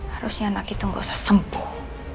harusnya anak itu gak usah sembuh